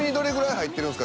入ってるんですか？